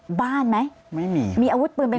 ก็คลิปออกมาแบบนี้เลยว่ามีอาวุธปืนแน่นอน